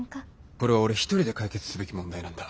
これは俺一人で解決すべき問題なんだ。